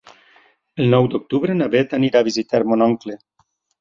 El nou d'octubre na Bet anirà a visitar mon oncle.